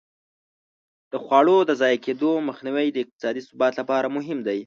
د خواړو د ضایع کېدو مخنیوی د اقتصادي ثبات لپاره مهم دی.